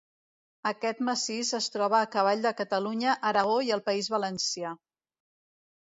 Aquest massís es troba a cavall de Catalunya, Aragó i el País Valencià.